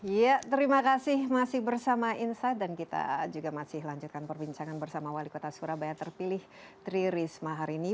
ya terima kasih masih bersama insight dan kita juga masih lanjutkan perbincangan bersama wali kota surabaya terpilih tri risma hari ini